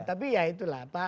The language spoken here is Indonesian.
tapi ya itulah pak